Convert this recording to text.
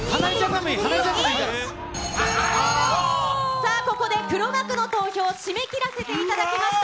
さあ、ここで黒幕の投票、締め切らせていただきました。